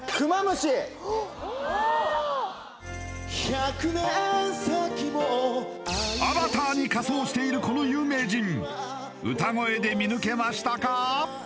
百年先もアバターに仮装しているこの有名人歌声で見抜けましたか？